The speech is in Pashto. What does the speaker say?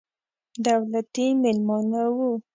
دولتي مېلمانه وو.